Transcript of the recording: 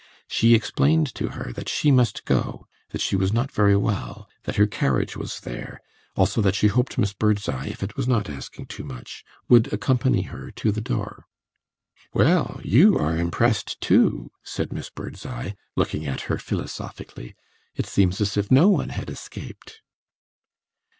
She explained to her that she must go, that she was not very well, that her carriage was there; also that she hoped Miss Birdseye, if it was not asking too much, would accompany her to the door. "Well, you are impressed too," said Miss Birdseye, looking at her philosophically. "It seems as if no one had escaped."